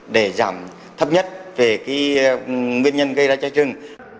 để giảm thấp nhất về nguyên nhân gây ra cháy rừng